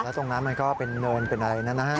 แล้วตรงนั้นมันก็เป็นเนินเป็นอะไรนะครับ